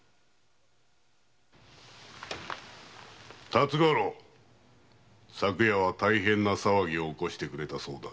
辰五郎昨夜は大変な騒ぎをおこしてくれたそうだな。